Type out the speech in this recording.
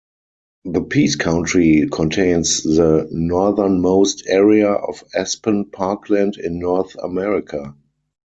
The Peace Country contains the northernmost area of aspen parkland in North America.